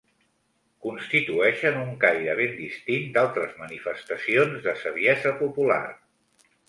Constitueixen un caire ben distint d'altres manifestacions de saviesa popular.